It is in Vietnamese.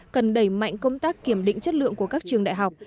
cần đẩy mạnh công tác kiểm định chất lượng của các trường đại học